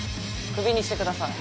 クビにしてください。